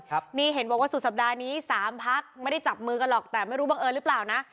นี่เห็นบอกว่าสุดสัปดาห์นี้สามพักไม่ได้จับมือกันหรอกแต่ไม่รู้บังเอิญหรือเปล่านะ